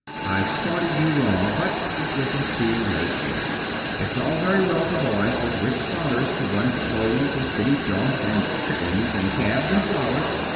I've started you wrong, but it isn't too late yet. It's all very well for boys with rich fathers to run to clothes, and city jaunts, and 'chickens,' and cabs and flowers.